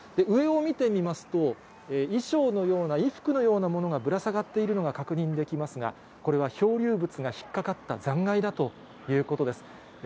上を見てみますと、衣装のような、衣服のようなものがぶら下がっているのが確認できますが、これは漂流物が引っ掛かった残骸だということです。